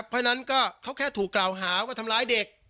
เพราะฉะนั้นก็เขาแค่ถูกกล่าวหาว่าทำร้ายเด็ก